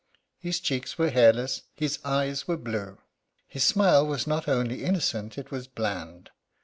His cheeks were hairless, his eyes were blue. His smile was not only innocent, it was bland.